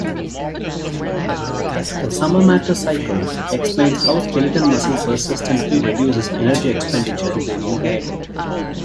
The "Summermatter Cycle" explains how skeletal muscle persistently reduces energy expenditure during dieting.